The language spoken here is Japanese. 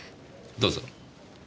どうぞ。